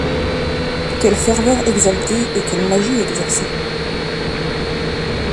Quelle ferveur exaltée, et quelle magie exercée.